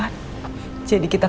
aku udah udah bilang